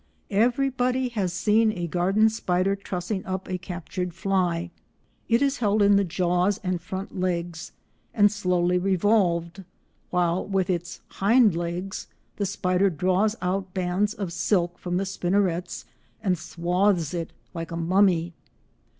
Everybody has seen a garden spider trussing up a captured fly. It is held in the jaws and front legs and slowly revolved while with its hind legs the spider draws out bands of silk from the spinnerets and swathes it like a mummy.